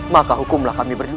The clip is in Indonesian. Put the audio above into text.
maka hukumlah kami berdua